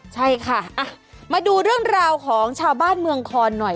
ใช่ค่ะมาดูเรื่องราวของชาวบ้านเมืองคอนหน่อย